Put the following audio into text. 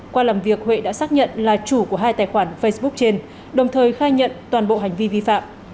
qua làm việc huệ đã xác nhận là chủ của hai tài khoản facebook trên đồng thời khai nhận toàn bộ hành vi vi phạm